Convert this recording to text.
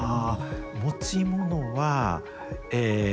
持ち物はえ。